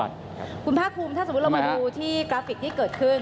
ถ้าสมมุติเรามาดูที่กราฟิกที่เกิดขึ้น